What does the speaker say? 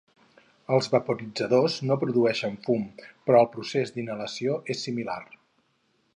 Els vaporitzadors no produeixen fum, però el procés d'inhalació és similar.